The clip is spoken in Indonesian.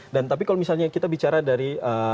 dan tapi kalau misalnya kita bicara dari